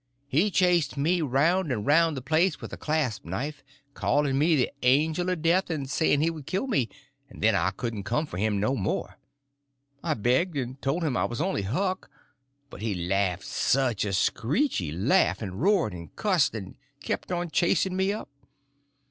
He chased me round and round the place with a clasp knife, calling me the Angel of Death, and saying he would kill me, and then I couldn't come for him no more. I begged, and told him I was only Huck; but he laughed such a screechy laugh, and roared and cussed, and kept on chasing me up.